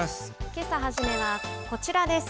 けさ、初めはこちらです。